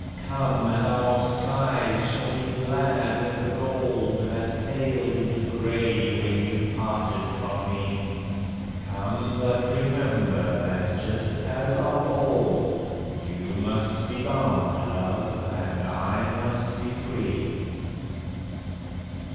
Come! and our skies shall be glad with the gold That paled into gray when you parted from me. Come! but remember that, just as of old, You must be bound, Love, and I must be free.